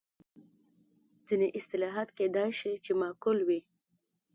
ځینې اصلاحات کېدای شي چې معقول وي.